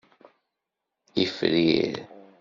Ifrir.